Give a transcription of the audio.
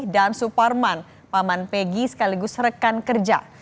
dan suparman paman peggy sekaligus rekan kerja